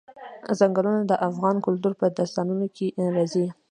ځنګلونه د افغان کلتور په داستانونو کې راځي.